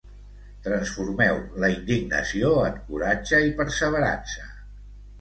Transformeu la indignació en coratge i perseverança.